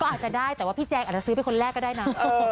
อาจจะได้แต่ว่าพี่แจงอาจจะซื้อเป็นคนแรกก็ได้นะ